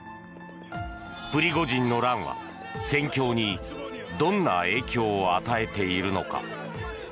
プリゴジンの乱は、戦況にどんな影響を与えているのか。